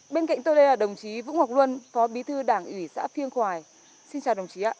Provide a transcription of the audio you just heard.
bên cạnh tôi đây là đồng chí vũ ngọc luân phó bí thư đảng ủy xã phiêng khoài xin chào đồng chí ạ